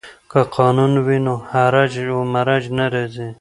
که قانون وي نو هرج و مرج نه راځي.